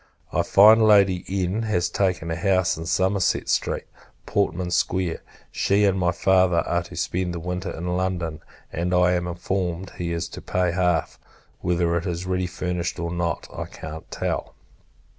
I find Lady N. has taken a house in Somerset Street, Portman Square. She, and my Father, are to spend the winter in London; and, I am informed, he is to pay half. Whether it is ready furnished, or not, I can't tell.